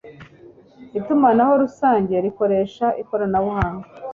itumanaho rusange rikoresha ikoranabuhanga